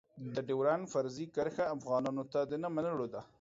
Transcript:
د ډېورنډ فرضي کرښه افغانانو ته د نه منلو ده.